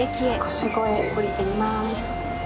腰越、おりてみます。